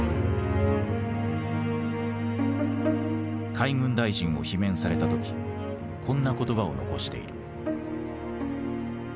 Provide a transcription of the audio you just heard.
海軍大臣を罷免された時こんな言葉を残している。